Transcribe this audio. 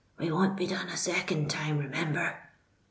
—we won't be done a second time, remember."